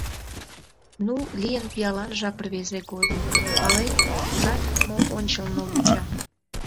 Ну, лийын пиалан жап рвезе годым, Палет, ужат, мо ончылно вуча?